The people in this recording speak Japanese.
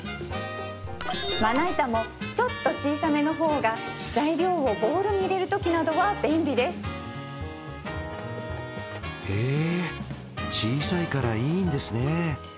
まな板もちょっと小さめの方が材料をボウルに入れるときなどは便利ですへ小さいからいいんですね